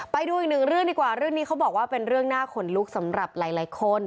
ไปดูอีกหนึ่งเรื่องดีกว่าเรื่องนี้เขาบอกว่าเป็นเรื่องน่าขนลุกสำหรับหลายคน